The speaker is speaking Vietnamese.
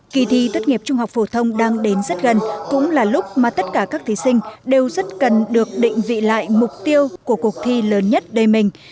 kỳ thi tốt nghiệp trung học phổ thông đang đến rất gần cũng là lúc mà tất cả các thí sinh đều rất cần được định vị lại mục tiêu của cuộc thi lớn nhất đời mình